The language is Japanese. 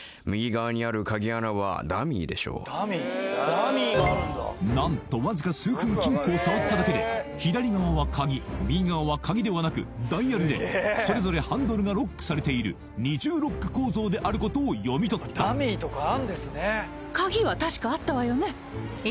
どうやら何とわずか数分金庫を触っただけで左側は鍵右側は鍵ではなくダイヤルでそれぞれハンドルがロックされている２重ロック構造であることを読み取ったそう